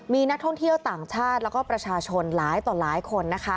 มีนักท่องเที่ยวต่างชาติแล้วก็ประชาชนหลายต่อหลายคนนะคะ